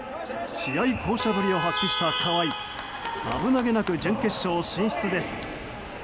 試合巧者ぶりを発揮した川井危なげなく準決勝進出です。